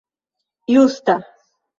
justa